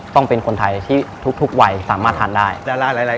ต้องเป็นคนไทยที่ทุกวัยสามารถทานได้หลาย